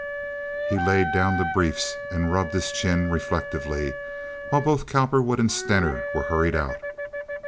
He laid down the briefs and rubbed his chin reflectively while both Cowperwood and Stener were hurried out.